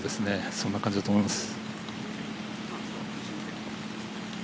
そんな感じだと思います。